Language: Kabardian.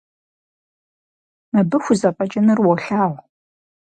Мыбы хузэфӀэкӀынур уолъагъу.